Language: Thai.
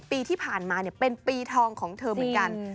ปีที่ผ่านมาเป็นปีทองของเธอเหมือนกัน